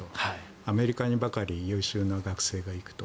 アメリカにばかり優秀な学生が行くと。